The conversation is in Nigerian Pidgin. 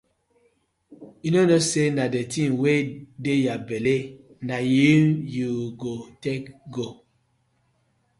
Yu no kno say na di tin wey yah belle na im yu go take go.